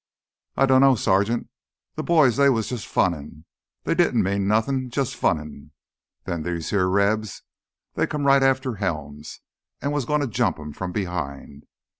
"I dunno, Sergeant. Th' boys ... they was jus' funnin'. They didn't meant nothin', jus' funnin'. Then these here Rebs, they come right after Helms, was gonna jump him from behind.